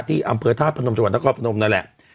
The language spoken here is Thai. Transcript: ที่อำเภอธาตุพนมจังหวัดนครพนมนั่นแหละ